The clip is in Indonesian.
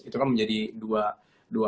itu kan menjadi dua